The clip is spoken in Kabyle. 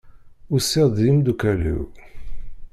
Usiɣ-d d yimdukal-iw.